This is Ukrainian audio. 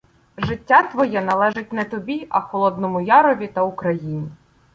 Життя твоє належить не тобі, а Холодному Ярові та Україні.